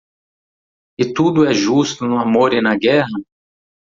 E tudo é justo no amor e na guerra?